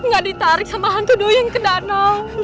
gak ditarik sama hantu duyung ke danau